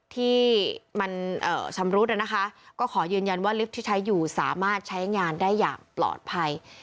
ที่มันชำรุดนะคะก็ขอยืนยันว่าลิฟท์ที่ใช้อยู่สามารถใช้งานได้อย่างปลอดภัย